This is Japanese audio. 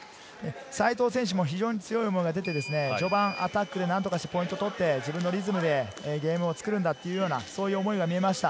西藤選手も強い思いが出て序盤アタックで何とかしてポイントを取って、自分のリズムでゲームを作るんだというような思いが見えました。